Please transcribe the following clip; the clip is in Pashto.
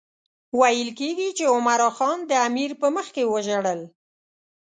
ویل کېږي چې عمرا خان د امیر په مخکې وژړل.